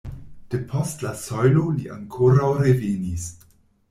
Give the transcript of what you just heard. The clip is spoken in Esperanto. De post la sojlo li ankoraŭ revenis.